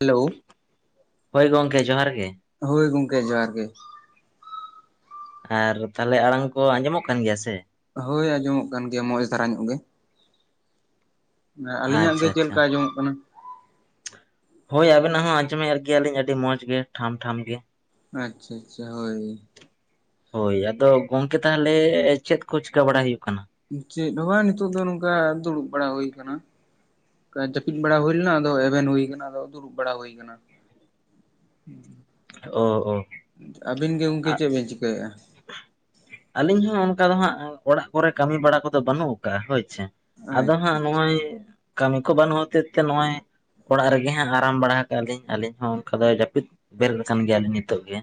Hello? ᱦᱳᱭ ᱜᱚᱝᱠᱮ ᱡᱚᱦᱟᱨ ᱜᱮ? ᱦᱳᱭ ᱜᱚᱝᱠᱮ ᱡᱚᱦᱟᱨ ᱜᱮ? ᱟᱨ ᱛᱟᱦᱚᱞᱮ ᱟᱲᱟᱝ ᱠᱚ ᱟᱸᱡᱚᱢᱚᱜ ᱠᱟᱱ ᱜᱮᱭᱟ ᱥᱮ? ᱦᱳᱭ ᱟᱸᱡᱚᱢᱚᱜ ᱠᱟᱱ ᱜᱮᱭᱟ ᱢᱚᱸᱡᱽ ᱫᱷᱟᱨᱟ ᱧᱚᱜ ᱜᱮ᱾ ᱟᱞᱤᱧᱟᱜ ᱟᱪᱪᱷᱟ ᱜᱮ ᱟᱪᱪᱷᱟ ᱪᱮᱫᱞᱮᱠᱟ ᱟᱸᱚᱢᱚᱜ ᱠᱟᱱᱟ? ᱦᱳᱭ ᱟᱵᱮᱱᱟᱜ ᱦᱚᱸ ᱟᱸᱡᱚᱢᱮᱜ ᱜᱮᱭᱟᱞᱤᱧ ᱟᱹᱰᱤ ᱢᱚᱸᱡᱽ ᱜᱮ ᱴᱷᱟᱢ ᱴᱷᱟᱢ ᱜᱮ᱾ ᱟᱪᱪᱷᱟ ᱟᱪᱪᱷᱟ ᱦᱳᱭ ᱦᱳᱭ ᱦᱳᱭ ᱟᱫᱚ ᱜᱚᱝᱠᱮ ᱛᱟᱦᱚᱞᱮ ᱪᱮᱫ ᱠᱚ ᱪᱤᱠᱟᱹ ᱵᱟᱲᱟ ᱦᱩᱭᱩᱜ ᱠᱟᱱᱟ? ᱪᱮᱫ ᱦᱚᱸ ᱵᱟ ᱱᱤᱛᱚᱜ ᱫᱚ ᱱᱚᱝᱠᱟ ᱫᱩᱲᱩᱵ ᱵᱟᱲᱟ ᱦᱩᱭ ᱠᱟᱱᱟ? ᱮᱸ ᱡᱟᱹᱯᱤᱫ ᱵᱟᱲᱟ ᱦᱩᱭ ᱞᱮᱱᱟ ᱟᱫᱚ ᱮᱵᱷᱮᱱ ᱦᱩᱭ ᱠᱟᱱᱟ ᱟᱫᱚ ᱫᱩᱲᱩᱵ ᱵᱟᱲᱟ ᱦᱩᱭ ᱠᱟᱱᱟ᱾ ᱦᱩᱸ ᱚ ᱚ ᱟᱹᱵᱤᱱ ᱜᱮ ᱜᱚᱝᱠᱮ ᱪᱮᱜ ᱵᱤᱱ ᱪᱤᱠᱟᱹᱭᱮᱜᱼᱟ? ᱟᱹᱞᱤᱧ ᱦᱚᱸ ᱚᱱᱠᱟ ᱫᱚ ᱦᱟᱸᱜ ᱚᱲᱟᱜ ᱠᱚᱨᱮ ᱠᱟᱹᱢᱤ ᱵᱟᱲᱟ ᱠᱚᱫᱚ ᱵᱟᱹᱱᱩᱜ ᱠᱟᱜᱼᱟ ᱦᱳᱭᱪᱮ᱾ ᱟᱫᱚ ᱦᱟᱸᱜ ᱟᱪᱪᱷᱟ ᱱᱚᱜᱼᱚᱭ ᱠᱟᱹᱢᱤ ᱠᱚ ᱵᱟᱹᱱᱩᱜ ᱦᱚᱛᱮᱫ ᱛᱮ ᱱᱚᱜᱼᱚᱭᱼᱼ ᱚᱲᱟᱜ ᱨᱮᱜᱮ ᱦᱟᱸᱜ ᱟᱨᱟᱢ ᱵᱟᱲᱟ ᱠᱟᱜᱼᱟ ᱞᱤᱧ ᱟᱹᱞᱤᱧ ᱦᱚᱸ ᱚᱝᱠᱟ ᱫᱚ ᱡᱟᱹᱯᱤᱫ ᱵᱮᱨᱮᱫ ᱟᱠᱟᱱ ᱜᱮᱭᱟ ᱞᱤᱧ ᱱᱤᱛᱚᱜ ᱜᱮ᱾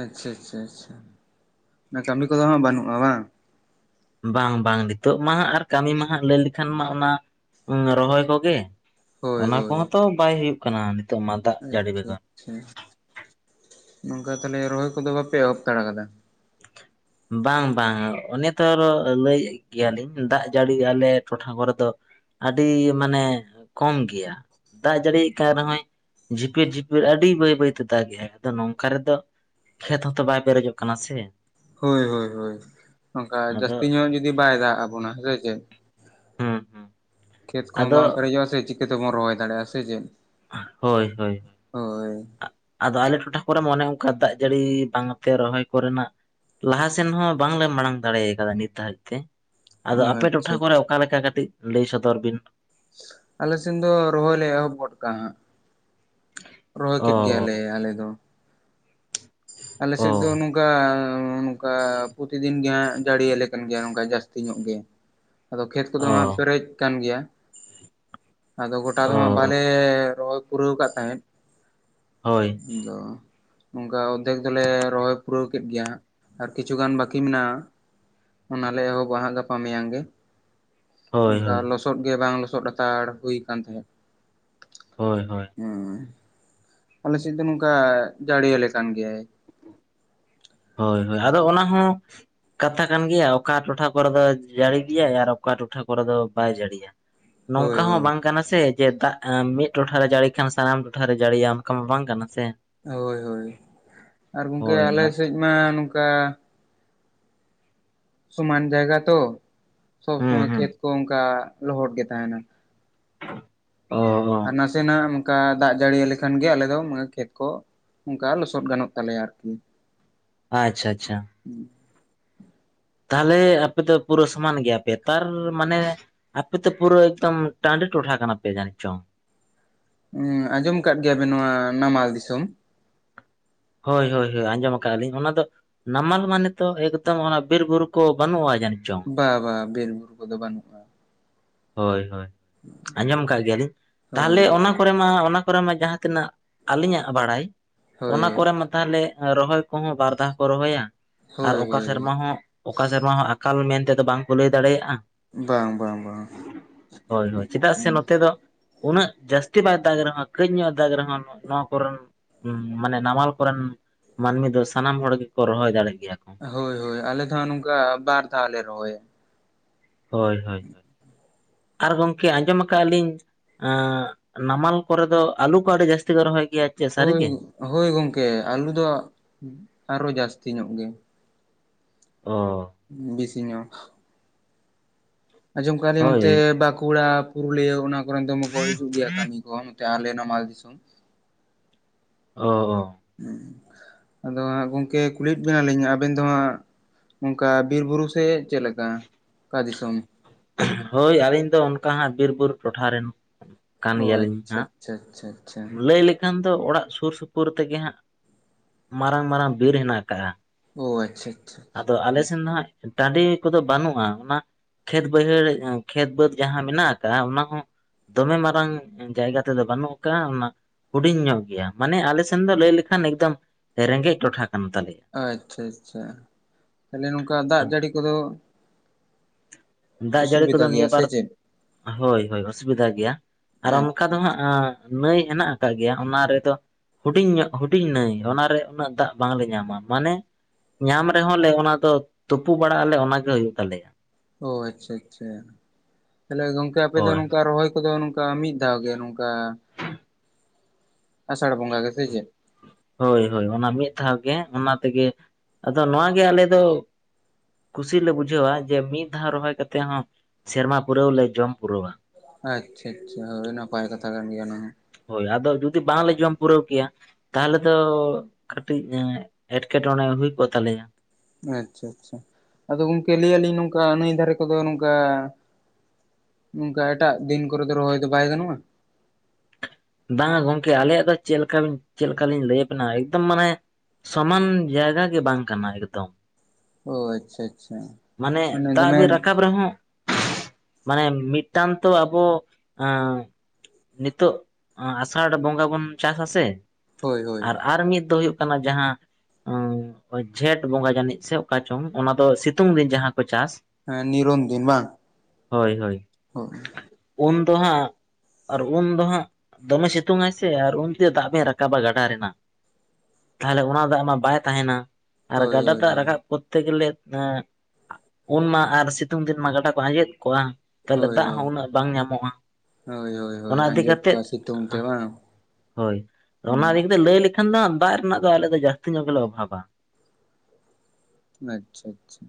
ᱟᱪᱪᱷᱟ ᱟᱪᱪᱷᱟ ᱟᱪᱪᱷᱟ ᱚᱱᱟ ᱠᱟᱹᱢᱤ ᱠᱚᱫᱚ ᱦᱟᱸᱜ ᱵᱟᱹᱱᱩᱜᱼᱟ ᱵᱟᱝ? ᱵᱟᱝ ᱵᱟᱝ ᱱᱤᱛᱚᱜ ᱢᱟ ᱦᱟᱸᱜ ᱟᱨ ᱠᱟᱹᱢᱤ ᱢᱟ ᱦᱟᱸᱜ ᱞᱟᱹᱭ ᱞᱮᱠᱷᱟᱱ ᱢᱟ ᱚᱱᱟ ᱨᱚᱦᱚᱭ ᱠᱚᱜᱮ᱾ ᱦᱳᱭ ᱚᱱᱟ ᱦᱳᱭ ᱠᱚᱦᱚᱸ ᱛᱚ ᱵᱟᱭ ᱦᱩᱭᱩᱜ ᱠᱟᱱᱟ ᱱᱤᱼᱼ ᱟᱪᱪᱷᱟ ᱟᱪᱪᱷᱟ ᱱᱚᱝᱠᱟ ᱛᱟᱦᱚᱞᱮ ᱨᱚᱦᱚᱭ ᱠᱚᱫᱚ ᱵᱟᱯᱮ ᱮᱦᱚᱵᱛᱟᱲ ᱟᱠᱟᱫᱟ᱾ ᱵᱟᱝ ᱵᱟᱝ ᱚᱱᱮ ᱛᱚᱨᱚ ᱞᱟᱹᱭᱮᱜ ᱜᱮᱭᱟᱞᱤᱧ ᱫᱟᱜ ᱡᱟᱹᱲᱤ ᱟᱞᱮ ᱴᱚᱴᱷᱟ ᱠᱚᱨᱮ ᱫᱚᱼᱼ ᱟᱹᱰᱤ ᱢᱟᱱᱮ ᱠᱚᱢ ᱜᱮᱭᱟ᱾ ᱫᱟᱜ ᱡᱟᱹᱲᱤᱭ ᱠᱟᱱ ᱨᱮᱦᱚᱸᱭ ᱡᱷᱤᱯᱤᱨ ᱡᱷᱤᱯᱤᱨ ᱟᱹᱰᱤ ᱵᱟᱹᱭ ᱵᱟᱹᱭᱛᱮ ᱫᱟᱜ ᱮᱜᱼᱟᱭ ᱟᱫᱚ ᱱᱚᱝᱠᱟ ᱨᱮᱫᱚᱼᱼ ᱠᱷᱮᱛ ᱦᱚᱸᱛᱚ ᱵᱟᱭ ᱯᱮᱨᱮᱡᱚᱜ ᱠᱟᱱᱟ ᱥᱮ, ᱦᱳᱭ ᱦᱳᱭ ᱦᱳᱭ ᱚᱝᱠᱟ ᱟᱫᱚ ᱡᱟᱹᱥᱛᱤ ᱧᱚᱜ ᱡᱩᱫᱤ ᱵᱟᱭ ᱫᱟᱜ ᱟᱵᱚᱱᱟ ᱦᱮᱸᱥᱮ ᱪᱮᱜ? ᱦᱩᱸ ᱦᱩᱸ ᱠᱷᱮᱛ ᱠᱚᱦᱚᱸ ᱟᱫᱚ ᱵᱟᱝ ᱯᱮᱨᱮᱡᱚᱜᱼᱟ ᱥᱮ ᱪᱤᱠᱟᱹᱛᱮᱵᱚᱱ ᱨᱚᱦᱚᱭ ᱫᱟᱲᱮᱭᱟᱜᱼᱟ ᱥᱮ ᱪᱮᱫ᱾ ᱟᱦ ᱦᱳᱭ ᱦᱳᱭ ᱦᱚᱭ, ᱦᱳᱭ ᱟᱸᱜ, ᱟᱫᱚ ᱟᱞᱮ ᱴᱚᱴᱷᱟ ᱠᱚᱨᱮ ᱢᱟ ᱚᱱᱮ ᱚᱸᱠᱟ ᱫᱟᱜ ᱡᱟᱹᱲᱤ ᱵᱟᱝ ᱛᱮ ᱨᱚᱦᱚᱭ ᱠᱚᱨᱮᱱᱟᱜ ᱞᱟᱦᱟᱥᱮᱱ ᱦᱚᱸ ᱵᱟᱝ ᱞᱮ ᱢᱟᱲᱟᱝ ᱫᱟᱲᱮᱭᱟᱠᱟᱫᱟ ᱱᱤᱛ ᱦᱟᱹᱨᱤᱡ ᱛᱮ, ᱟᱫᱚ ᱟᱯᱮ ᱟᱪᱪᱷᱟ ᱴᱚᱴᱷᱟ ᱠᱚᱨᱮ ᱟᱪᱪᱷᱟ ᱚᱠᱟ ᱞᱮᱠᱟ ᱠᱟᱹᱴᱤᱡ ᱞᱟᱹᱭ ᱥᱚᱫᱚᱨ ᱵᱤᱱ? ᱟᱞᱮᱥᱮᱱ ᱫᱚ ᱨᱚᱦᱚᱭ ᱞᱮ ᱮᱦᱚᱵ ᱜᱚᱫ ᱠᱟᱼᱟ ᱦᱟᱸᱜ ᱾ ᱨᱚᱦᱚᱭ ᱠᱮᱫ ᱜᱮᱭᱟᱞᱮ ᱟᱞᱮ ᱫᱚ ᱾ ᱟᱞᱮᱥᱮᱫ ᱫᱚ ᱱᱚᱝ- ᱠᱟ ᱱᱚᱸᱠᱟ ᱯᱨᱚᱛᱤ ᱫᱤᱱ ᱜᱮ ᱦᱟᱸᱜ ᱡᱟᱹᱲᱤᱭᱟᱞᱮ ᱠᱟᱱ ᱜᱮᱭᱟ ᱱᱚᱝᱠᱟ ᱡᱟᱹᱥᱛᱤ ᱧᱚᱜ ᱜᱮ᱾ ᱟᱫᱚ ᱠᱷᱮᱛ ᱠᱚᱫᱚ ᱦᱟᱸᱜ ᱯᱮᱨᱮᱡ ᱠᱟᱱ ᱜᱮᱭᱟ, ᱟᱫᱚ ᱜᱳᱴᱟ ᱫᱚ ᱦᱟᱸᱜ ᱵᱟᱞᱮ ᱨᱚᱦᱚᱭ ᱯᱩᱨᱟᱹᱣ ᱟᱠᱟᱫ ᱛᱟᱦᱮᱸᱫ, ᱫᱚ ᱱᱚᱝᱠᱟ ᱚᱫ- ᱫᱮᱠ ᱫᱚᱞᱮ‌ ᱨᱚᱦᱚᱭ‌ ᱯᱩᱨᱟᱹᱣ ᱠᱮᱫ ᱜᱮᱭᱟ ᱦᱟᱸᱜ ᱟᱨ ᱠᱤᱪᱷᱩ ᱜᱟᱱ ᱵᱟᱹᱠᱤ ᱢᱮᱱᱟᱜ-ᱟ, ᱚᱱᱟᱞᱮ ᱮᱦᱚᱵᱽᱼᱟ ᱦᱟᱸᱜ ᱜᱟᱯᱟ ᱢᱮᱭᱟᱝ ᱜᱮ ᱾ ᱚᱱᱠᱟ ᱞᱚᱥᱚᱫ ᱜᱮ ᱵᱟᱝ ᱞᱚᱥᱚᱫ ᱦᱟᱛᱟᱲ ᱦᱩᱭ ᱠᱟᱱ ᱛᱟᱦᱮᱸᱫ ᱾ ᱦᱳᱭ ᱦᱳᱭ᱾ ᱦᱩᱸ᱾ ᱟᱞᱮ ᱥᱮᱫ ᱫᱚ ᱱᱚᱝᱠᱟ ᱡᱟᱹᱲᱤᱭᱟᱞᱮ ᱠᱟᱱ ᱜᱮᱭᱟᱭ᱾ ᱦᱳᱭ ᱦᱳᱭ, ᱟᱫᱚ ᱚᱱᱟ ᱦᱚᱸ ᱠᱟᱛᱷᱟ ᱠᱟᱱ ᱜᱮᱭᱟ ᱚᱠᱟ ᱴᱚᱴᱷᱟ ᱠᱚᱨᱮ ᱫᱚᱭ ᱡᱟᱸᱲᱤ ᱤᱫᱤᱭᱟᱭ, ᱟᱨ ᱚᱠᱟ ᱴᱚᱴᱷᱟ ᱠᱚᱨᱮ ᱫᱚ ‌ᱵᱟᱭ ᱡᱟᱹᱲᱤ ᱤᱫᱤᱭᱟ, ᱦᱳᱭ ᱱᱚᱝᱠᱟ ᱦᱚᱸ ᱦᱳᱭ ᱵᱟᱝ ᱠᱟᱱᱟ ᱥᱮ ᱡᱮ ᱫᱟᱜ ᱮᱸ ᱢᱤᱫ ᱴᱚᱴᱷᱟ ᱨᱮ ᱡᱟᱹᱲᱤ ᱠᱷᱟᱱ ᱥᱟᱱᱟᱢ ᱴᱚᱴᱷᱟ ᱨᱮ ᱡᱟᱹᱲᱤᱭᱟ ᱚᱱᱠᱟ ᱢᱟ ᱵᱟᱝ ᱠᱟᱱᱟ ᱥᱮ? ᱦᱳᱭ ᱦᱳᱭ ᱟᱨ ᱜᱚᱝᱠᱮ‌ ᱦᱳᱭ ᱟᱞᱮ ᱟᱨ ᱥᱮᱡ ᱢᱟ ᱱᱚᱝᱠᱟ ᱥᱚᱢᱟᱱ ‌ᱡᱟᱭᱜᱟ ᱛᱚ ᱥᱚᱵᱽ ᱦᱩᱸ ᱥᱚᱢᱚᱭ ᱦᱩᱸ ᱠᱷᱮᱛ ᱠᱚ ᱚᱸᱠᱟ‌ ᱞᱚᱦᱚᱫ ᱜᱮ‌ ᱛᱟᱦᱮᱸᱱᱟ᱾ ᱚ ᱚ ᱟᱨ ᱱᱟᱥᱮᱱᱟᱜ ᱚᱱᱠᱟ ᱫᱟᱜ ᱡᱟᱹᱲᱤ ᱟᱞᱮ ᱠᱷᱟᱱ ᱜᱮ ᱟᱞᱮ ᱫᱚ ᱢᱟᱹ ᱠᱷᱮᱛ ᱠᱚ ᱚᱸᱠᱟ ᱞᱚᱥᱚᱫ ᱜᱟᱱᱚᱜ ᱛᱟᱞᱮᱭᱟ ᱟᱨᱠᱤ᱾ ᱟ ᱪᱪᱷᱟ ᱟᱪᱪᱷᱟ, ᱦᱩᱸ ᱾ ᱛᱟᱦᱮᱞᱮ ᱟᱯᱮ ᱫᱚ ᱯᱩᱨᱟᱹ ᱥᱚᱢᱟᱱ ᱜᱮᱭᱟ ᱯᱮ, ᱛᱟᱨ ᱢᱟᱱᱮ ᱟᱯᱮ ᱛᱚ ᱯᱩᱨᱟᱹ ᱮᱠᱫᱚᱢ ᱴᱟᱺᱰᱤ ᱴᱚᱰᱷᱟ ᱠᱟᱱᱟ ᱯᱮ ᱡᱟᱹᱱᱤᱡ ᱪᱚᱝ᱾ ᱩᱸ ᱟᱡᱚᱢ ᱟᱠᱟᱫ ᱜᱮᱭᱟ ᱵᱤᱱ ᱱᱚᱣᱟ ᱱᱟᱢᱟᱞ ᱫᱤᱥᱚᱢ? ᱦᱳᱭ ᱦᱳᱭ ᱦᱳᱭ ᱟᱸᱡᱚᱢ ᱟᱠᱟᱜᱼᱟᱸᱞᱤᱧ ᱚᱱᱟ ᱫᱚ ᱱᱟᱢᱟᱞ ᱢᱟᱱᱮ ᱛᱚ ᱮᱠᱫᱚᱢ ᱚᱱᱟ ᱵᱤᱨ ‌ᱵᱩᱨᱩ ᱠᱚ ᱵᱟᱱᱩᱜ-ᱟ ᱡᱟᱹᱱᱤᱡ ᱪᱚᱝ? ᱵᱟ ᱵᱟᱝᱼᱟ ᱵᱤᱨ ᱵᱩᱨᱩ ᱠᱚᱫᱚ ᱵᱟᱹᱱᱩᱜᱼᱟ᱾ ᱦᱳᱭ ᱦᱳᱭ ᱟᱸᱡᱚᱢ ᱟᱠᱟᱜ ᱜᱮᱭᱟᱞᱤᱧ ᱦᱳᱭ ᱛᱟᱦᱮᱞᱮ ᱚᱱᱟ ᱯᱚᱨᱮ ᱢᱟ ᱦᱟᱸᱜ ᱚᱱᱟ ᱠᱚᱨᱮ ᱢᱟ ᱡᱟᱦᱟᱸ ᱛᱤᱱᱟᱹᱜ ᱟᱹᱞᱤᱧᱟᱜ ᱵᱟᱲᱟᱭ, ᱦᱳᱭ ᱚᱱᱟ ᱦᱳᱭ ᱠᱚᱨᱮ ᱢᱟ ᱛᱟᱦᱮᱞᱮ ᱨᱚᱦᱚᱭ ᱠᱚᱦᱚᱸ ᱵᱟᱨ ᱫᱷᱟᱣ ᱠᱚ ᱨᱚᱦᱚᱭᱟ, ᱟᱨ ᱦᱳᱭ ᱚᱠᱟ ᱦᱳᱭ ᱥᱮᱨᱢᱟ ᱦᱚᱸ ᱚᱠᱟ ᱥᱮᱨᱢᱟ ᱦᱚᱸ ᱟᱠᱟᱞ ᱢᱮᱱᱛᱮ ᱫᱚ ᱵᱟᱝ ᱠᱚ ᱞᱟᱹᱭ ᱫᱟᱲᱮᱭᱟᱜᱼᱟ᱾ ᱵᱟᱝ ᱵᱟᱝ ᱵᱟᱝᱼᱟ᱾ ᱦᱳᱭ ᱦᱳᱭ ᱪᱮᱫᱟᱜ ᱥᱮ ᱱᱚᱛᱮ ᱫᱚ ᱩᱱᱟᱹᱜ ᱡᱟᱹᱥᱛᱤ ᱵᱟᱭ ᱫᱟᱜᱽ ᱨᱮᱦᱚᱸ ᱠᱟᱹᱡ ᱧᱚᱜ ᱮ ᱫᱟᱜᱽ ᱨᱮᱦᱚᱸ ᱱᱚᱜᱼᱱᱚᱣᱟ ᱠᱚᱨᱮᱱ ᱩᱸ ᱢᱟᱱᱮ ᱱᱟᱢᱟᱞ ᱠᱚᱨᱮᱱ ᱢᱟᱹᱱᱢᱤ ᱫᱚ ᱥᱟᱱᱟᱢ ᱦᱚᱲ ᱜᱮᱠᱚ ᱨᱚᱦᱚᱭ ᱫᱟᱲᱮᱜ ᱜᱮᱭᱟ ᱠᱚ᱾ ᱦᱳᱭ ᱦᱳᱭ ᱟᱞᱮ ᱫᱚ ᱦᱟᱸᱜ ᱱᱚᱝᱠᱟ ᱵᱟᱨ ᱫᱷᱟᱣ ᱞᱮ ᱨᱚᱦᱚᱭᱟ᱾ ᱦᱳᱭ ᱦᱳᱭ᱾ ᱟᱨ ᱜᱚᱝᱠᱮ ᱟᱸᱡᱚᱢ ᱟᱠᱟᱜ ᱟᱹᱞᱤᱧ ᱮᱸ ᱻᱜ ᱱᱟᱢᱟᱞ ᱠᱚᱨᱮ ᱫᱚ ᱟᱹᱞᱩ ᱠᱚ ᱟᱹᱰᱤ ᱡᱟᱹᱥᱛᱤ ᱠᱚ ᱨᱚᱦᱚᱭ ᱜᱮᱭᱟ, ᱪᱮᱫ ᱦᱳᱭ ᱥᱟᱹᱨᱤᱜᱮ? ᱦᱳᱭ ᱜᱚᱢᱠᱮ ᱟᱹᱞᱩ ᱫᱚ ᱟᱨᱚ ᱡᱟᱹᱥᱛᱤ ᱧᱚᱜ ᱜᱮᱭᱟ᱾ ᱚ᱾ ᱵᱮᱥᱤᱧᱚᱜ ᱟᱸᱡᱚᱢ ᱠᱟᱜ‌ ᱟᱞᱤᱧ ᱦᱳᱭ ᱚᱱᱛᱮ ᱵᱟᱸᱠᱩᱲᱟ ᱯᱩᱨᱩᱞᱤᱭᱟᱹ ᱚᱱᱟ ᱠᱚᱨᱮᱱ ᱫᱚᱢᱮ ᱠᱚ ᱦᱤᱡᱩᱜ ᱜᱮᱭᱟ ᱠᱟᱹᱢᱤ ᱠᱚ᱾ ᱠᱮ ᱟᱞᱮ ᱱᱟᱢᱟᱞ ᱫᱤᱥᱚᱢ᱾ ᱚ ᱚ᱾ ᱩᱸ ᱟᱫᱚ ᱦᱟᱸᱜ ᱜᱚᱝᱠᱮ ᱠᱩᱞᱤᱭᱮᱫ ᱵᱮᱱᱟᱞᱤᱧ ᱟᱵᱮᱱ ᱫᱚ ᱦᱟᱸᱜ ᱚᱱᱠᱟ ᱵᱤᱨ ᱵᱩᱨᱩ ᱥᱮ ᱪᱮᱫ ᱞᱮᱠᱟ‌ ᱚᱠᱟ ᱫᱤᱥᱚᱢ? ᱦᱳᱭ ᱟᱹᱞᱤᱧ ᱫᱚ ᱚᱱᱠᱟ ᱦᱟᱸᱜ ᱵᱤᱨ ᱵᱩᱨᱩ ᱴᱚᱴᱷᱟ ᱨᱮᱱ ᱠᱟᱱ ᱚ ᱜᱮᱭᱟᱞᱤᱧ ᱟᱪᱪᱷᱟ ᱦᱟᱸᱜ ᱪᱷᱟ ᱪᱷᱟ᱾ ᱞᱟᱹᱭ ᱞᱮᱠᱷᱟᱱ ᱫᱚ ᱚᱲᱟᱜ ᱥᱩᱨ ᱥᱩᱯᱩᱨ ᱛᱮᱜᱮ ᱦᱟᱸᱜ ᱢᱟᱨᱟᱝ ᱢᱟᱨᱟᱝ ᱵᱤᱨ ᱦᱮᱸᱱᱟᱜ ᱠᱟᱜᱼᱟ ᱚ ᱟᱪᱪᱷᱟ ᱟᱪᱪᱷᱟ ᱾ ᱟᱫᱚ ᱟᱞᱮ ᱥᱮᱱ ᱫᱚ ᱦᱟᱸᱜ ᱴᱟᱺᱰᱤ ᱠᱚᱫᱚ ᱵᱟᱹᱱᱩᱜᱼᱟ, ᱚᱱᱟ ᱠᱷᱮᱛ ᱵᱟᱹᱭᱦᱟᱹᱲ ᱠᱷᱮᱛ ᱵᱟᱹᱫᱽ ᱡᱟᱦᱟᱸ ᱢᱮᱱᱟᱜ ᱟᱠᱟᱜ-ᱟ ᱚᱱᱟ ᱦᱚᱸ ᱫᱚᱢᱮ ᱢᱟᱨᱟᱝ ᱡᱟᱭᱜᱟ ᱛᱮᱫᱚ ᱵᱟᱹᱱᱩᱜ ᱠᱟᱫᱼᱟ ᱚᱱᱟ ᱦᱩᱰᱤᱧ ᱧᱚᱜ ᱜᱮᱭᱟ ᱢᱟᱱᱮ ᱟᱞᱮ ᱥᱮᱱ ᱫᱚ ᱞᱟᱹᱭ ᱞᱮᱠᱷᱟᱱ ᱮᱠᱫᱚᱢ ᱨᱮᱸᱜᱮᱡ ᱴᱚᱴᱷᱟ ᱠᱟᱱ ᱛᱟᱞᱮᱭᱟ᱾ ᱟᱪᱪᱷᱟ ᱟᱪᱪᱷᱟ ᱛᱟᱦᱚᱞᱮ ᱱᱚᱝᱠᱟ ᱟᱫᱚ ᱫᱟᱜ ᱡᱟᱹᱲᱤ ᱠᱚᱫᱚ ᱫᱟᱜ ᱡᱟᱹᱲᱤ ᱚᱥᱩᱵᱤᱫᱟ ᱠᱚᱫᱚ ᱜᱮᱭᱟ ᱱᱤᱭᱟᱹ ᱥᱮ ᱵᱟᱨ ᱪᱮᱫ ᱦᱳᱭ ᱦᱳᱭ ᱚᱥᱩᱵᱤᱫᱟ ᱜᱮᱭᱟ ᱟᱨ ᱚᱱᱠᱟ ᱟᱪᱪᱷᱟ ᱫᱚ ᱟᱪᱪᱷᱟ ᱦᱟᱸᱜ ᱱᱟᱹᱭ ᱦᱮᱸᱱᱟᱜ ᱠᱟᱜ ᱜᱮᱭᱟ ᱚᱱᱟ ᱨᱮᱫᱚ ᱦᱩᱰᱤᱧ ᱧᱚᱜ ᱦᱩᱰᱤᱧ ᱱᱟᱹᱭ ᱚᱱᱟᱨᱮ ᱩᱱᱟᱹᱜ ᱫᱟᱜ ᱵᱟᱝᱞᱮ ᱧᱟᱢᱟ ᱢᱟᱱᱮ ᱧᱟᱢ ᱨᱮᱦᱚᱸ ᱞᱮ ᱚᱱᱟ ᱫᱚ ᱛᱩᱯᱩ ᱵᱟᱲᱟᱜ ᱟᱞᱮ ᱚ ᱜᱮ ᱦᱩᱭᱩᱜ ᱛᱟᱞᱮᱭᱟ᱾ ᱚ ᱟᱪᱪᱷᱟ ᱟᱪᱪᱷᱟ ᱛᱟᱦᱚᱞᱮ ᱜᱚᱝᱠᱮ ᱟᱯᱮ ᱫᱚ ᱦᱳᱭ ᱱᱚᱝᱠᱟ ᱨᱚᱦᱚᱭ ᱠᱚᱫᱚ ᱱᱚᱝᱠᱟ ᱢᱤᱫ ᱫᱷᱟᱣ ᱜᱮ ᱱᱚᱝᱠᱟ ᱟᱥᱟᱲ ᱵᱚᱸᱜᱟ ᱜᱮ ᱥᱮ ᱪᱮᱫ? ᱦᱳᱭ ᱦᱳᱭ ᱚᱱᱟ ᱢᱤᱫ ᱫᱷᱟᱣ ᱜᱮ ᱚᱱᱟ ᱛᱮᱜᱮ ᱟᱫᱚ ᱱᱚᱣᱟᱜᱮ ᱟᱞᱮ ᱫᱚ ᱠᱩᱥᱤ ᱞᱮ ᱵᱩᱡᱷᱟᱹᱣᱟ ᱡᱮ ᱢᱤᱫ ᱫᱷᱟᱣ ᱨᱚᱦᱚᱭ ᱠᱟᱛᱮ ᱦᱚᱸ ᱥᱮᱨᱢᱟ ᱯᱩᱨᱟᱹᱣ ᱞᱮ ᱡᱚᱢ ᱯᱩᱨᱟᱹᱣᱟ᱾ ᱟᱪᱪᱷᱟ ᱟᱪᱪᱷᱟ ᱦᱳᱭ ᱱᱟᱯᱟᱭ ᱠᱟᱛᱷᱟ ᱠᱟᱱ ᱜᱮᱭᱟ ᱚᱱᱟᱢᱟ᱾ ᱦᱳᱭ ᱟᱫᱚ ᱡᱩᱫᱤ ᱵᱟᱝᱞ ᱡᱚᱢ ᱯᱩᱨᱟᱹᱣ ᱠᱮᱭᱟ ᱛᱟᱦᱚᱞᱮ ᱫᱚ ᱠᱟᱹᱴᱤᱡ ᱮᱴᱠᱮᱴᱚᱬᱮ ᱦᱩᱭ ᱠᱚᱜ ᱛᱟᱞᱮᱭᱟ᱾ ᱟᱪᱪᱷᱟ ᱟᱪᱪᱷᱟ ᱟᱫᱚ ᱜᱚᱝᱠᱮ ᱞᱟᱹᱭᱟᱞᱤᱧ ᱱᱚᱝᱠᱟ ᱱᱟᱹᱭ ᱫᱷᱟᱨᱮ ᱠᱚᱫᱚ ᱱᱚᱝᱠᱟ ᱱᱚᱝᱠᱟ ᱮᱴᱟᱜ ᱫᱤᱱ ᱠᱚᱨᱮ ᱫᱚ ᱨᱚᱦᱚᱭ ᱫᱚ ᱵᱟᱭ ᱜᱟᱱᱚᱜᱼᱟ᱾ ᱵᱟᱝ ᱜᱚᱝᱠᱮ ᱟᱞᱮᱭᱟᱜ ᱫᱚ ᱪᱮᱫ ᱞᱮᱠᱟ ᱪᱮᱫ ᱞᱮᱠᱟ ᱞᱤᱧ ᱞᱟᱹᱭᱟᱵᱤᱱᱟ ᱮᱠᱫᱚᱢ ᱢᱟᱱᱮ ᱥᱚᱢᱟᱱ ᱡᱟᱭᱜᱟ ᱜᱮ ᱵᱟᱝ ᱠᱟᱱᱟ ᱮᱠᱫᱚᱢ᱾ ᱚ ᱟᱪᱪᱷᱟ ᱟᱪᱪᱷᱟ ᱢᱟᱱᱮ ᱫᱟᱜ ᱵᱤᱱ ᱨᱟᱠᱟᱵ ᱨᱮᱦᱚᱸ, ᱢᱟᱱᱮ ᱢᱤᱫᱴᱟᱝ ᱛᱚ ᱟᱵᱚ ᱟᱸ ᱱᱤᱛᱳᱜ ᱚ ᱟᱥᱟᱲ ᱵᱚᱸᱜᱟ ᱵᱚᱱ ᱪᱟᱥ ᱟᱥᱮ ᱦᱳᱭ ᱦᱳᱭ ᱟᱨ ᱟᱨ ᱢᱤᱫ ᱫᱚ ᱦᱩᱭᱩᱜ ᱠᱟᱱᱟ ᱡᱟᱦᱟᱸ ᱩᱸ ᱚ ᱡᱷᱮᱸᱴ ᱵᱚᱸᱜᱟ ᱡᱟᱹᱱᱤᱡ ᱥᱮ ᱚᱠᱟ ᱪᱚᱝ ᱚᱱᱟ ᱫᱚ ᱥᱤᱛᱩᱝ ᱫᱤᱱ ᱡᱟᱦᱟᱸ ᱠᱚ ᱪᱟᱥ ᱦᱮᱸ ᱱᱤᱨᱚᱱᱫᱤᱱ ᱵᱟᱝ? ᱦᱳᱭ ᱦᱳᱭ᱾ ᱦᱳᱭ᱾ ᱩᱱ ᱫᱚ ᱦᱟᱸᱜ ᱟᱨ ᱩᱱ ᱫᱚ ᱦᱟᱸᱜ ᱫᱚᱢᱮ ᱥᱤᱛᱩᱝ ᱟᱭ ᱥᱮ ᱟᱨ ᱩᱱᱛᱮ ᱫᱟᱜ ᱵᱮ ᱨᱟᱠᱟᱵᱟ ᱜᱟᱰᱟ ᱨᱮᱱᱟᱜ ᱛᱟᱦᱚᱞᱮ ᱚᱱᱟ ᱫᱟᱜ ᱢᱟ ᱵᱟᱭ ᱛᱟᱦᱮᱸᱱᱟ, ᱟᱨ ᱦᱳᱭ ᱜᱟᱰᱟ ᱦᱳᱭ ᱫᱟᱜ ᱦᱳᱭ ᱨᱟᱠᱟᱵ ᱠᱚᱨᱛᱮ ᱜᱮᱞᱮ ᱮᱸᱜ ᱩᱱ ᱢᱟ ᱟᱨ ᱥᱤᱛᱩᱝ ᱫᱤᱱ ᱢᱟ ᱜᱟᱰᱟᱟ ᱠᱚ ᱟᱸᱡᱮᱫ ᱠᱚᱜᱼᱟ, ᱛᱟᱦᱚᱞᱮ ᱫᱟᱜ ᱦᱳᱭ ᱦᱚᱸ ᱩᱱᱟᱹᱜ ᱵᱟᱝ ᱧᱟᱢᱚᱜᱼᱟ, ᱦᱳᱭ ᱦᱳᱭ ᱦᱳᱭ ᱚᱱᱟ ᱤᱫᱤ ᱟᱸᱡᱮᱫ ᱠᱟᱛᱮᱜ ᱠᱚᱜᱼᱟ ᱥᱤᱛᱩᱝ ᱛᱮ ᱵᱟᱝ? ᱦᱳᱭ ᱚᱱᱟ ᱦᱩᱸ ᱤᱫᱤ ᱞᱟᱹᱭ ᱞᱮᱠᱷᱟᱱ ᱫᱚ ᱫᱟᱜ ᱨᱮᱱᱟᱜ ᱫᱚ ᱟᱞᱮ ᱫᱚ ᱡᱟᱹᱥᱛᱤ ᱧᱚᱜ ᱜᱮᱞᱮ ᱚᱵᱷᱟᱵᱟ᱾ ᱟᱪᱪᱷᱟ ᱟᱪᱪᱷᱟ᱾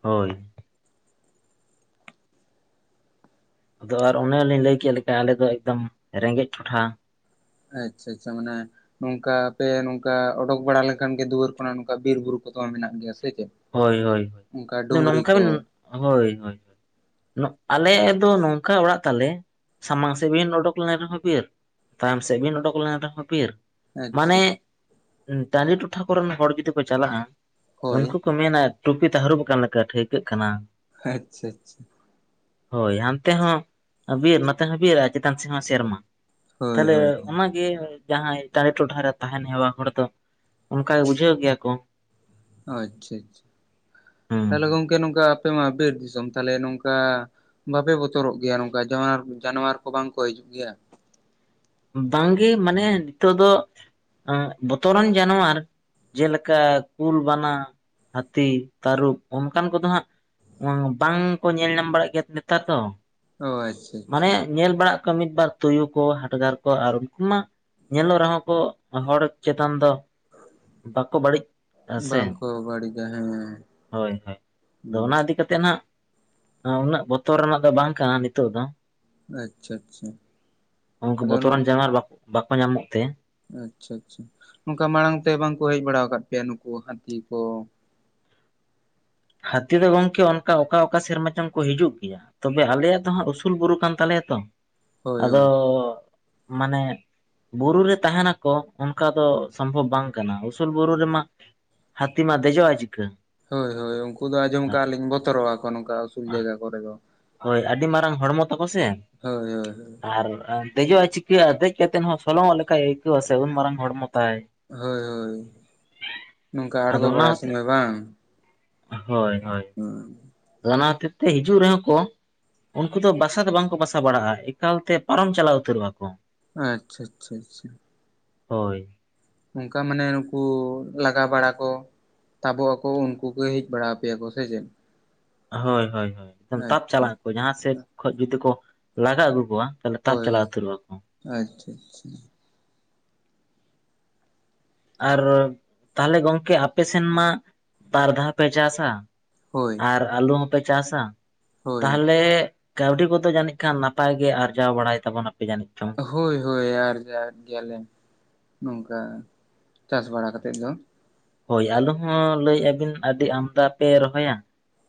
ᱦᱳᱭ᱾ ᱟᱫᱚ ᱟᱨ ᱚᱱᱮᱚᱞᱤᱧ ᱞᱟᱹᱭ ᱠᱮᱫ ᱞᱮᱠᱟ ᱟᱞᱮᱫ ᱫᱚ ᱮᱠᱫᱚᱢ ᱨᱮᱸᱜᱮᱡ ᱴᱚᱴᱷᱟ᱾ ᱟᱪᱪᱷᱟ ᱟᱪᱪᱷᱟ ᱢᱟᱱᱮᱼᱼ ᱱᱚᱝᱠᱟ ᱯᱮ ᱱᱚᱝᱠᱟ ᱚᱰᱩᱠ ᱵᱟᱲᱟ ᱞᱮᱱᱠᱷᱟᱱ ᱜᱮ ᱫᱩᱣᱟᱹᱨ ᱠᱷᱚᱱᱟᱜ ᱱᱚᱝᱠᱟ ᱵᱤᱨᱵᱩᱨᱩ ᱠᱚᱫᱚᱢᱟ ᱢᱮᱱᱟᱜ ᱜᱮᱭᱟ ᱥᱮ ᱪᱮ? ᱦᱳᱭ ᱦᱳᱭ ᱦ ᱱᱚᱝᱠᱟ ᱵᱮᱱ ᱦᱳᱜᱼᱼ ᱟᱞᱮᱭᱟᱜ ᱫᱚ ᱱᱚᱝᱠᱟ ᱚᱲᱟᱜ ᱛᱟᱞᱮ ᱥᱟᱢᱟᱝ ᱥᱮᱫ ᱵᱤᱱ ᱩᱰᱩᱠ ᱞᱮᱱ ᱨᱮᱦᱚᱸ ᱵᱤᱨ, ᱛᱟᱭᱚᱢ ᱥᱮᱫ ᱵᱤᱱ ᱚᱰᱚᱠ ᱞᱮᱱ ᱨᱮᱦᱚᱸ ᱵᱤᱨ, ᱟᱪᱪᱷᱟ ᱢᱟᱱᱮ ᱴᱟᱹᱰᱤ ᱴᱚᱴᱷᱟ ᱠᱚᱨᱮᱱ ᱦᱚᱲ ᱡᱩᱫᱤ ᱠᱚ ᱪᱟᱞᱟᱜᱼᱟ ᱦᱳᱭ ᱩᱱᱠᱩᱼᱼ ᱠᱚ ᱢᱮᱱᱟ ᱴᱩᱯᱤ ᱛᱮ ᱦᱟᱹᱨᱩᱵ ᱟᱠᱟᱱ ᱞᱮᱠᱟ ᱴᱷᱟᱹᱣᱠᱟᱹᱜ ᱠᱟᱱᱟ᱾ ᱟᱪᱪᱷᱟ ᱟᱪᱪᱷᱟ᱾ ᱦᱳᱭ ᱦᱟᱱᱛᱮ ᱦᱚᱸ ᱵᱤᱨ ᱱᱛᱮ ᱦᱚᱸ ᱵᱤᱨ ᱪᱮᱛᱟᱱ ᱥᱮᱫ ᱦᱚᱸ ᱥᱮᱨᱢᱟ ᱦᱳᱭ ᱛᱟᱦᱚᱞᱮ ᱦᱳᱭ ᱚᱱᱟᱼᱼ ᱡᱟᱦᱟᱸᱭ ᱪᱟᱨᱮ ᱴᱚᱴᱷᱟᱨᱮ ᱛᱟᱦᱮᱱ ᱦᱮᱣᱟ ᱦᱚᱲ ᱫᱚ ᱚᱱᱠᱟᱜ ᱵᱩᱡᱷᱟᱹᱣ ᱜᱮᱭᱟ ᱠᱚ᱾ ᱟᱪᱪᱷᱟ ᱟᱪᱪᱷᱟ᱾ ᱦᱩᱸ ᱛᱟᱦᱚᱞᱮ ᱜᱚᱝᱠᱮ ᱱᱚᱝᱠᱟ ᱟᱯᱮ ᱢᱟ ᱵᱤᱨ ᱫᱤᱥᱚᱢ ᱛᱟᱦᱚᱞᱮ ᱱᱚᱝᱼᱠᱟ ᱵᱟᱯᱮ ᱵᱚᱛᱚᱨᱼᱼ ᱩᱛᱚᱨᱚᱜ ᱜᱮᱭᱟ ᱱᱚᱝᱠᱟ ᱡᱟᱱᱣ ᱡᱟᱱᱣᱟᱨ ᱠᱚ ᱵᱟᱝ ᱠᱚ ᱦᱤᱡᱩᱜ ᱜᱮᱭᱟ᱾ ᱵᱟᱝᱜᱮ ᱢᱟᱱᱮ ᱱᱤᱛᱚᱜ ᱫᱚ ᱵᱚᱛᱚ ᱨᱟᱱ ᱡᱟᱱᱣᱟᱨᱼᱼ ᱡᱮᱞᱮᱠᱟ ᱠᱩᱞ ᱵᱟᱱᱟ ᱦᱟᱹᱛᱤ ᱛᱟᱹᱨᱩᱵ ᱚᱱᱠᱟᱱ ᱠᱚᱫᱚ ᱦᱟᱸᱜᱼᱼ ᱵᱟᱝ ᱵᱟᱝ ᱠᱚ ᱧᱮᱞ ᱧᱟᱢ ᱵᱟᱲᱟᱜ ᱜᱮᱭᱟ ᱱᱮᱛᱟᱨ ᱫᱚ ᱚ ᱟᱪᱪᱷᱟ ᱢᱟᱱᱮ ᱟᱪᱪᱷᱟ ᱧᱮᱞ ᱵᱟᱲᱟᱜ ᱠᱚᱣᱟ ᱢᱤᱫ ᱵᱟᱨ ᱛᱩᱭᱩ ᱠᱚ ᱦᱟᱴᱜᱟᱨ ᱠᱚᱼᱼ ᱟᱨ ᱩᱱᱠᱩ ᱢᱟ ᱧᱮᱞᱚᱜ ᱨᱮᱦᱚᱸ ᱠᱚ ᱦᱚᱲ ᱪᱮᱛᱟᱱ ᱫᱚᱼᱼ ᱵᱟᱠᱚ ᱵᱟᱹᱲᱤᱡ ᱟ ᱥᱮ ᱵᱟᱝᱠᱚ ᱵᱟᱹᱲᱤᱡᱟ ᱦᱮᱸ ᱾ᱦᱳᱭ ᱦᱳᱭ ᱟᱫᱚ ᱦᱩᱸ ᱚᱱᱟ ᱤᱫᱤ ᱠᱟ ᱠᱟᱛᱮᱜ ᱦᱱᱟᱜ ᱩᱱᱟᱹᱜ ᱵᱚᱛᱚᱨ ᱨᱮᱱᱟᱜ ᱫᱚ ᱵᱟᱝ ᱠᱟᱱᱟ ᱱᱤᱛᱚᱜ ᱫᱚ᱾ ᱟᱪᱪᱷᱟ ᱟᱪᱪᱷᱟ ᱟᱫᱚᱼᱼ ᱟᱨ ᱵᱟᱠᱚ ᱧᱟᱢᱚᱜ ᱛᱮ᱾ ᱟᱪᱪᱷᱟ ᱟᱪᱪᱷᱟ ᱱᱚᱝᱼᱠᱟ ᱢᱟᱲᱟᱝ ᱛᱮ ᱵᱟᱝᱠᱚ ᱦᱮᱡ ᱵᱟᱲᱟ ᱟᱠᱟᱫ ᱯᱮᱭᱟ ᱱᱩᱠᱩ ᱦᱟᱹᱛᱤ ᱠᱚ᱾ ᱦᱟᱹᱛᱤ ᱫᱚ ᱜᱚᱢᱠᱮ ᱚᱱᱠᱟ ᱚᱠᱟ ᱚᱠᱟ ᱥᱮᱨᱢᱟ ᱪᱚᱝ ᱠᱚ ᱦᱤᱡᱩᱜ ᱜᱮᱭᱟ᱾ ᱛᱚᱵᱮ ᱟᱞᱮᱭᱟᱜ ᱫᱚ ᱦᱟᱸᱜ ᱩᱥᱩᱞ ᱵᱩᱨᱩ ᱠᱟᱱ ᱛᱟᱞᱮᱭᱟ ᱛᱚ ᱦᱳᱭ ᱟᱫᱚ ᱦᱳᱭ ᱢᱟᱱᱮᱼᱼ ᱵᱩᱨᱩ ᱨᱮ ᱛᱟᱦᱮ ᱱᱟᱠᱚ ᱚᱱᱠᱟ ᱫᱚ ᱥᱚᱢᱵᱷᱚᱵ ᱵᱟᱝ ᱠᱟᱱᱟ ᱩᱥᱩᱞ ᱵᱩᱨᱩ ᱨᱮᱢᱟ, ᱦᱛᱤᱢᱟ ᱫᱽᱫᱮ ᱡᱼᱟ ᱪᱤᱠᱟᱹ? ᱦᱳᱭ ᱦᱳᱭ ᱩᱱᱠᱩ ᱫᱚ ᱟᱸᱡᱚᱢ ᱠᱟᱜᱼᱟ ᱞᱤᱧ ᱵᱚᱛᱚᱨᱚᱜ ᱟᱠᱚ ᱱᱚᱝᱠᱟ ᱩᱥᱩᱞ ᱡᱟᱭᱜᱟ ᱠᱚᱨᱮ ᱫᱚ᱾ ᱦᱳᱭ ᱟᱹᱰᱤ ᱢᱟᱨᱟᱝ ᱦᱚᱲᱢᱚ ᱛᱟᱠᱚ ᱥᱮ ᱦᱳᱭ ᱦᱳᱭ ᱦᱳᱭ, ᱟᱨ ᱫᱮᱡᱚᱜᱟᱭ ᱪᱤᱠᱟᱹᱜᱼᱟ ᱫᱮᱡ ᱠᱟᱛᱮᱮᱫ ᱦᱚᱸ ᱥᱚᱞᱚᱝᱚᱜ ᱞᱮᱠᱟᱭ ᱟᱹᱭᱠᱟᱹᱣᱟ ᱥᱮ ᱩᱱ ᱢᱟᱨᱟᱝ ᱦᱚᱲᱢᱚ ᱛᱟᱭᱼᱼ ᱦᱳᱭ ᱦᱳᱭ ᱱᱚᱝᱠᱟ ᱟᱫᱚ ᱟᱬᱜᱚ ᱚᱱᱟ ᱵᱟᱲᱟ ᱦᱚᱛᱮᱡ ᱥᱚᱢᱚᱭ ᱵᱟᱝ ᱦᱳᱭ ᱦᱳᱭ, ᱦᱮᱸ ᱚᱱᱟ ᱦᱚᱛᱤᱨ ᱛᱮ ᱦᱤᱡᱩᱜ ᱨᱮᱦᱚᱸ ᱠᱚ, ᱩᱱᱠᱩ ᱫᱚ ᱵᱟᱥᱟ ᱫᱚ ᱵᱟᱝᱠᱚ ᱵᱟᱥᱟ ᱵᱟᱲᱟᱜᱼᱟ ᱮᱠᱟᱞᱛᱮ ᱯᱟᱨᱚᱢ ᱪᱟᱞᱟᱣ ᱩᱛᱟᱹᱨᱚᱜ ᱟᱠᱚ ᱟᱪᱪᱷᱟ ᱟᱪᱪᱷᱟ ᱟᱪᱪᱷᱟ᱾ ᱦᱳᱭ᱾ ᱚᱱᱠᱟ ᱢᱟᱱᱮ ᱱᱩᱠᱩ ᱞᱟᱜᱟᱣ ᱵᱟᱲᱟ ᱠᱚ ᱛᱟᱵᱚᱜ ᱟᱠᱚ ᱩᱱᱠᱩ ᱠᱚ ᱦᱮᱡ ᱵᱟᱲᱟ ᱟ ᱯᱮᱭᱟ ᱠᱚ ᱥᱮ ᱪᱮ? ᱦᱳᱭ ᱦᱳᱭ ᱦᱳᱭ ᱮᱠᱫᱚᱢ ᱛᱟᱯ ᱟᱪᱪᱷᱟ ᱪᱟᱞᱟᱜ ᱟᱠᱚ ᱡᱟᱦᱟᱸ ᱥᱮᱫ ᱠᱷᱚᱡ ᱡᱩᱫᱤ ᱠᱚ ᱞᱟᱜᱟ ᱟᱹᱜᱩ ᱠᱚᱣᱟ᱾ ᱛᱟᱦᱞᱮ ᱛᱟᱯ ᱦᱳᱭ ᱪᱞᱟ ᱦᱳᱭ ᱛᱩᱨ ᱨᱚᱜᱼᱟ ᱠᱚ ᱟᱪᱪᱷᱟ ᱟᱪᱪᱷᱟ ᱟᱨ ᱛᱟᱦᱚᱞᱮ ᱜᱚᱝᱠᱮ ᱟᱯ ᱥᱮᱱ ᱢᱟ ᱵᱟᱨ ᱫᱷᱟᱣ ᱯᱮ ᱪᱟ ᱥᱟ ᱦᱳᱭ ᱟᱨ ᱟᱹᱞᱩ ᱦᱚᱸᱯᱮ ᱪᱟᱥᱟ ᱦᱳᱭ ᱛᱟᱦᱚᱞᱮᱼᱼ ᱠᱟᱹᱣᱰᱤ ᱠᱚᱫᱚ ᱡᱟᱹᱱᱤᱡ ᱠᱷᱟᱱ ᱱᱟᱯᱟᱭ ᱜᱮ ᱟᱨᱡᱟᱣ ᱵᱟᱲᱟᱭ ᱛᱟᱵᱚᱱᱟᱯᱮ ᱡᱟᱹᱱᱤᱡ ᱪᱚᱝ? ᱦᱳᱭ ᱦᱳᱭ ᱟᱨᱡ ᱜᱮᱭᱟᱞᱮ ᱱᱚᱝᱠᱟ ᱪᱟᱥ ᱵᱟᱲᱟ ᱠᱟᱛᱮᱫ ᱫᱚ ᱦᱳᱭ ᱟᱞᱚ ᱦᱚᱸ ᱞᱟᱹᱭᱮᱫᱼᱟᱵᱤᱱ ᱟᱹᱰᱤ ᱟᱢᱫᱟ ᱯᱮ ᱨᱚᱦᱚᱭᱟ᱾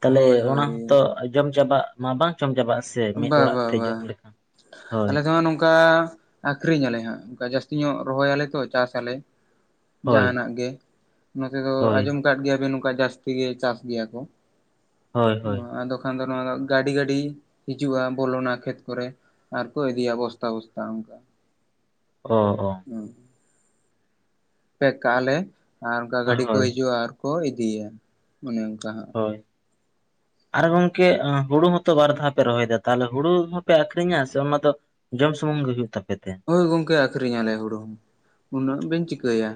ᱛᱟᱦᱚᱞᱮ ᱦᱳᱭ ᱦᱳᱭ ᱚᱱᱟᱛᱚ ᱡᱚᱢ ᱪᱟᱵᱟᱜ ᱢᱟ ᱵᱟᱝ ᱡᱚᱢ ᱪᱟᱵᱟᱜᱼᱟ ᱥᱮ ᱢᱤᱫ ᱚᱲᱟᱜ ᱛᱮ ᱡᱚᱢ ᱞᱮᱠᱷᱟᱱ ᱦᱳᱭ᱾ ᱱᱚᱜ ᱱᱚᱝᱠᱟ ᱟᱠᱷᱨᱤᱧ ᱟᱞᱮ ᱦᱟᱸᱜ ᱚᱱᱠᱟ ᱡᱟᱹᱥᱛᱤ ᱧᱚᱜ ᱨᱚᱦᱚᱞᱮ ᱛᱚ ᱪᱟᱥ ᱟᱞᱮ ᱦᱳᱭ ᱡᱟᱦᱟᱱᱟᱜ ᱜᱮᱼᱼ ᱱᱚᱛᱮ ᱫᱚ ᱦᱳᱭ ᱟᱸᱡᱚᱢ ᱟᱠᱟᱫ ᱜᱮᱭᱟᱵ ᱱᱚᱝᱠᱟ ᱡᱟᱹᱥᱛᱤ ᱜᱮ ᱪᱟᱥ ᱜᱮᱭᱟ ᱠᱚ ᱦᱳᱭ ᱦᱳᱭ ᱟᱫᱚᱼᱼ ᱠᱷᱟᱱ ᱫᱚ ᱱᱚᱣᱟ ᱫᱚ ᱜᱟᱹᱰᱤ ᱜᱟᱹᱰᱤᱼᱼ ᱦᱤᱡᱩᱜᱼᱟ ᱵᱚᱞᱚᱱᱟ ᱠᱷᱮᱛ ᱠᱚᱨᱮ ᱟᱨᱠᱚ ᱤᱫᱤᱭᱟ ᱵᱚᱥᱛᱟ ᱵᱚᱥᱛᱟ ᱚᱱᱠᱟᱼᱼ ᱚ ᱚ ᱦᱩᱢ ᱯᱮᱠ ᱠᱟᱜ ᱟ ᱞᱮᱮ ᱟᱨ ᱚᱱᱠᱟ ᱜᱟᱹᱰᱤ ᱠᱚ ᱦᱳᱭ ᱦᱤᱡᱩᱜᱼᱟ ᱟᱨ ᱠᱚ ᱤᱫᱤᱭᱟ ᱚᱱᱮ ᱚᱱᱠᱟ ᱦᱟᱸᱜᱼᱼ ᱦᱳᱭ ᱟᱨ ᱜᱚᱝᱼᱠᱮ ᱦᱩᱲᱩ ᱦᱚᱸᱚᱛᱚ ᱵᱟᱨ ᱫᱷᱟᱣ ᱯᱮ ᱨᱚᱦᱚᱭᱮᱫᱟ ᱛᱟᱦᱞᱮ ᱦᱩᱲᱩ ᱦᱚᱸᱯᱮ ᱟᱠᱷᱨᱤᱧᱟ ᱥᱮ ᱚᱱᱟ ᱫᱚ? ᱡᱚᱢ ᱥᱩᱢᱩᱝ ᱜᱮ ᱦ ᱦᱩᱭᱩᱜ ᱛᱟᱯᱮ ᱛᱮ? ᱦᱳᱭ ᱜᱚᱝᱠᱮ ᱟᱠᱷᱨᱤᱧ ᱟᱞᱮ ᱦᱩᱲᱩ ᱦᱚᱸ ᱩᱱᱟᱹᱜ ᱵᱮᱱ ᱪᱤᱠᱟᱹᱭᱟ?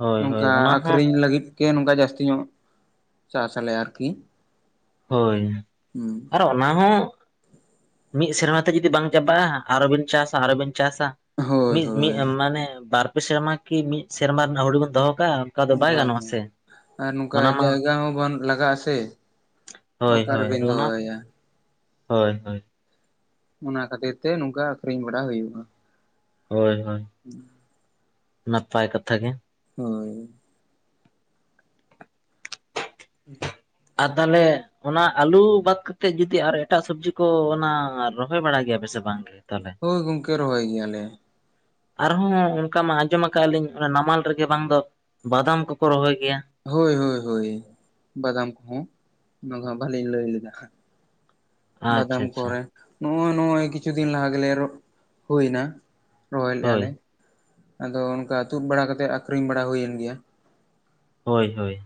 ᱦᱳᱭ ᱦᱳᱭ ᱱᱚᱝᱠᱟ ᱚᱱᱟ ᱦᱚᱸ ᱟᱹᱠᱷᱨᱤᱧ ᱞᱟᱹᱜᱤᱫ ᱜᱮ ᱱᱚᱝᱠᱟ ᱡᱟᱹᱥᱛᱤ ᱧᱚᱜ ᱪᱟᱥᱟᱞᱮ ᱟᱨᱠᱤ᱾ ᱦᱳᱭᱼᱼ ᱚᱱᱟ ᱦᱚᱸ ᱢᱤᱫ ᱥᱮᱨᱢᱟ ᱛᱮ ᱡᱩᱫᱤ ᱵᱟᱝ ᱪᱟᱵᱟᱜᱼᱟ ᱟᱨᱚ ᱵᱤᱱ ᱪᱟᱥᱟ ᱟᱨᱚ ᱵᱤᱱ ᱪᱟᱥᱟ, ᱦᱳᱭ ᱢᱤᱫ ᱢᱤᱫ ᱦᱳᱭ ᱢᱟᱱᱮ ᱵᱟᱨ ᱯᱮ ᱥᱮᱨᱢᱟ ᱠᱤ ᱢᱤᱫ ᱥᱮᱨᱢᱟ ᱨᱮᱱᱟᱜ ᱦᱩᱰᱤ ᱵᱚᱱ ᱫᱚᱦᱚ ᱠᱟᱜᱼᱟ᱾ ᱫᱚ ᱵᱟᱭ ᱵᱟᱝ ᱜᱟᱱᱚᱜᱼᱟ ᱥᱮ ᱟᱨ ᱱᱚᱝᱠᱟ ᱚᱱᱟ ᱢᱟ ᱡᱟᱭᱜᱟ ᱦᱚᱸ ᱵᱟᱝ ᱞᱟᱜᱟᱜᱼᱟ ᱥᱮ ᱦᱳᱭ ᱚᱠᱟ ᱦᱳᱭ ᱟᱫᱚ ᱨᱮᱵᱤᱱ ᱚᱱᱟ ᱫᱚᱦᱚᱭᱟ᱾ ᱦᱳᱭ ᱦᱳᱭ ᱚᱱᱟ ᱠᱷᱟᱹᱛᱤᱨ ᱛᱮ ᱱᱚᱝᱠᱟ ᱟᱠᱷᱨᱤᱧ ᱵᱟᱲᱟ ᱦᱩᱭᱩᱜᱼᱟ᱾ ᱦᱳᱭ ᱦᱳᱭ ᱱᱟᱯᱟᱭ ᱠᱟᱛᱷᱟ ᱜᱮ ᱦᱳᱭ ᱟᱨ ᱛᱟᱦᱚᱞᱮ ᱚᱱᱟ ᱟᱞᱩ ᱵᱟᱫ ᱠᱟᱛᱮᱜ ᱡᱩᱫᱤ ᱟᱨ ᱮᱴᱟᱜ ᱥᱚᱵᱡᱤ ᱠᱚ ᱚᱱᱟ ᱨᱚᱦᱚᱭ ᱵᱟᱲᱟᱭ ᱜᱮᱭᱟ ᱵᱮᱥᱮ ᱵᱟᱝ? ᱛᱟᱦᱚᱞᱮ ᱦᱳᱭ ᱜᱚᱝᱠᱮ ᱨᱚᱦᱚᱭ ᱜᱮᱭᱟᱞᱮ᱾ ᱟᱨᱦᱚᱸ ᱚᱱᱠᱟ ᱢᱟ ᱟᱸᱡᱚᱢ ᱟᱠᱟᱫᱼᱟ ᱞᱤᱧ ᱚᱱᱟ ᱱᱟᱢᱟᱞ ᱨᱮᱜᱮ ᱵᱟᱝ ᱫᱚᱼᱼ ᱵᱟᱫᱟᱢ ᱠᱚᱠᱚ ᱨᱚᱦᱚᱭ ᱜᱮᱭᱟ? ᱦᱳᱭ ᱦᱳᱭ ᱦᱳᱭ ᱵᱟᱫᱟᱢ ᱠᱚᱦᱚᱸ ᱚᱱᱟ ᱫᱚ ᱵᱟᱹᱞᱤᱧ ᱞᱟᱹᱭ ᱞᱮᱫᱟ᱾ ᱟᱪᱪᱷᱟ ᱵᱟᱫᱟᱢ ᱟᱪᱪᱷᱟ ᱠᱚᱨᱮ ᱱᱚᱜᱼᱚᱭ ᱱᱚᱜᱼᱚᱭ ᱠᱤᱪᱷᱩ ᱫᱤᱱ ᱞᱟᱦᱟ ᱜᱮᱞᱮ ᱮᱨᱚᱜ ᱦᱩᱭᱱᱟ᱾ ᱨᱚᱦᱚᱭ ᱞᱮᱫ ᱟ ᱦᱳᱭ ᱞᱮ ᱟᱫᱚ ᱚᱱᱠᱟ ᱛᱩᱫ ᱵᱟᱲᱟ ᱠᱟᱛᱮ ᱟᱠᱷᱨᱤᱧ ᱵᱟᱲᱟ ᱦᱩᱭᱮᱱ ᱜᱮᱭᱟ᱾ ᱦᱳᱭ ᱦᱳᱭ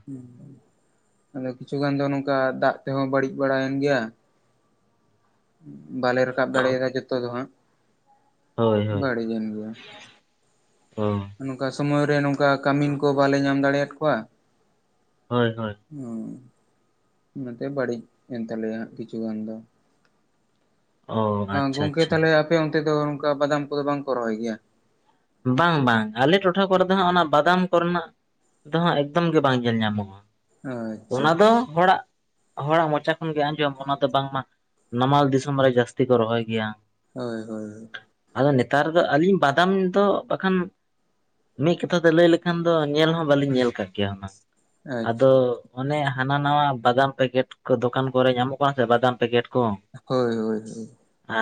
ᱦᱮ ᱟᱫᱚ ᱠᱤᱪᱷᱩ ᱜᱟᱱ ᱫᱚ ᱱᱚᱝᱠᱟ ᱫᱟᱜ ᱛᱮᱦᱚᱸ ᱵᱟᱹᱲᱤᱡ ᱵᱟᱲᱟᱭᱮᱱ ᱜᱮᱭᱟ᱾ ᱵᱟᱞᱮ ᱨᱟᱠᱟᱵ ᱫᱟᱲᱮ ᱭᱟᱫᱟ ᱡᱚᱛᱚ ᱫᱚ ᱦᱟᱸᱜ᱾ ᱦᱳᱭ ᱦᱳᱭ ᱵᱟᱹᱲᱤᱡ ᱮᱱ ᱜᱮᱭᱟ᱾ ᱚ ᱱᱚᱝᱠᱟ ᱥᱳᱢᱚᱭ ᱨᱮ ᱱᱚᱝᱠᱟ ᱠᱟᱢᱤᱱ ᱠᱚ ᱵᱟᱞᱮ ᱧᱟᱢ ᱫᱟᱲᱮᱭᱟᱫ ᱠᱚᱣᱟ᱾ ᱦᱳᱭ-ᱦᱳᱭ᱾ ᱚᱸ᱾ ᱚᱱᱟᱛᱮ ᱵᱟᱲᱤᱡ ᱮᱱ ᱛᱟᱞᱮᱭᱟ ᱦᱟᱸᱜ ᱠᱤᱪᱷᱩ ᱜᱟᱱ ᱫᱚᱸ᱾ ᱚ ᱟᱸ ᱟᱪᱪᱷᱟ ᱜᱚᱝᱠᱮ, ᱟᱪᱪᱷᱟ ᱛᱟᱞᱮ ᱟᱯᱮ ᱚᱱᱛᱮ ᱫᱚ ᱚᱝᱠᱟ ᱵᱟᱫᱟᱢ ᱠᱚᱫᱚ ᱵᱟᱝᱠᱚ ᱨᱚᱦᱚᱭ ᱜᱮᱭᱟ? ᱵᱟᱝ-ᱵᱟᱝ, ᱟᱞᱮ ᱴᱚᱴᱷᱟ ᱠᱚᱨᱮ ᱫᱚ ᱦᱟᱸᱜ ᱚᱱᱟ ᱵᱟᱫᱟᱢ ᱠᱚᱨᱱᱟᱜ ᱫᱚᱦᱟᱸᱜ ᱮᱠᱫᱚᱢ ᱜᱮ ᱵᱟᱝ ᱧᱮᱞ ᱧᱟᱢᱚᱜᱼᱟ, ᱟᱪᱪᱷᱟ ᱚᱱᱟ ᱫᱚ ᱦᱚᱲᱟᱜ ᱦᱚᱲᱟᱜ ᱢᱚᱪᱟ ᱠᱷᱚᱱ ᱜᱮ ᱟᱸᱡᱚᱢ ᱚᱱᱟ ᱫᱚ ᱵᱟᱝᱢᱟ ᱱᱟᱢᱟᱞ ᱫᱤᱥᱚᱢ ᱨᱮ ᱡᱟᱹᱥᱛᱤ ᱠᱚ ᱨᱚᱦᱚᱭ ᱜᱮᱭᱟᱸ᱾ ᱦᱳᱭ, ᱦᱳᱭ, ᱦᱳᱭ᱾ ᱟᱫᱚ ᱱᱮᱛᱟᱨ ᱫᱚ ᱟᱹᱞᱤᱧ ᱵᱟᱫᱟᱢ ᱛᱚ ᱵᱟᱠᱷᱟᱱ ᱢᱤᱜ ᱠᱟᱛᱷᱟ ᱛᱮ ᱞᱟᱹᱭ ᱞᱮᱠᱷᱟᱱ ᱫᱚ ᱧᱮᱞ ᱦᱚᱸ ᱵᱟᱹᱞᱤᱧ ᱧᱮᱞ ᱠᱟᱜ ᱜᱮᱭᱟ ᱚᱱᱟ᱾ ᱟᱫᱚ ᱟᱪᱪᱷᱟ ᱚᱱᱮ ᱦᱟᱱᱟ-ᱱᱟᱣᱟ ᱵᱟᱫᱟᱢ ᱯᱮᱠᱮᱴ ᱠᱚ, ᱫᱚᱠᱟᱱ ᱠᱚᱨᱮ ᱧᱟᱢᱚᱜ ᱠᱟᱱᱟ ᱥᱮ ᱵᱟᱫᱟᱢ ᱯᱮᱠᱮᱴ ᱠᱚᱸ᱾ ᱦᱳᱭ, ᱦᱳᱭ, ᱦᱳᱭ᱾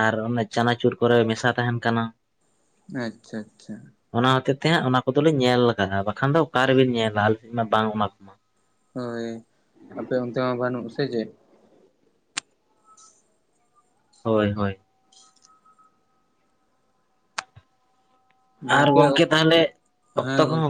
ᱟᱨ ᱚᱱᱮ ᱪᱟᱱᱟᱪᱩᱨ ᱠᱚᱨᱮ ᱢᱮᱥᱟ ᱛᱟᱦᱮᱱ ᱠᱟᱱᱟ᱾ ᱟᱼᱪᱪᱟ-ᱪᱟ᱾ ᱚᱱᱟ ᱦᱚᱛᱮᱡ ᱛᱮ ᱦᱟᱸᱜ ᱚᱱᱟ ᱠᱚᱫᱚᱞᱤᱧ ᱧᱮᱞ ᱟᱠᱟᱜᱼᱟ ᱵᱟᱠᱷᱟᱱ ᱫᱚ ᱚᱠᱟ ᱨᱮᱵᱤᱱ ᱧᱮᱞᱟ ᱟᱞᱤᱧ ᱢᱟ ᱵᱟᱝ ᱚᱱᱟ ᱠᱚᱢᱟ᱾ ᱦᱳᱭ, ᱟᱯᱮ ᱚᱱᱛᱮ ᱦᱚᱸ ᱵᱟᱹᱱᱩᱜ ᱥᱮ ᱪᱮᱜ? ᱦᱳᱭ-ᱦᱳᱭ᱾ ᱟᱨ ᱜᱚᱝᱠᱮ, ᱛᱟᱦᱞᱮ ᱚᱠᱛᱚ ᱦᱮᱸ ᱠᱚ ᱜᱚᱝᱠᱮ ᱦᱚᱸ